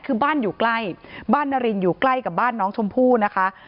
คือบ้านอยู่ใกล้บ้านนารินอยู่ใกล้กับบ้านน้องชมพู่นะคะ